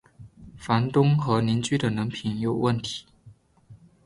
房东和邻居的人品有问题